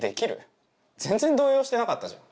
全然動揺してなかったじゃん。